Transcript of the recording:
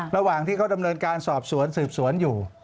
ระหว่างที่เขาดำเนินการสอบสวนสืบสวนอยู่